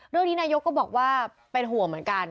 เรื่องนี้นายกก็บอกว่าเป็นห่วงเหมือนกัน